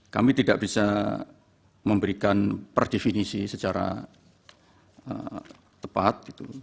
kami tidak bisa memberikan perdefinisi secara tepat